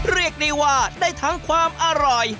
เรียกได้ว่าได้ทั้งความอร่อย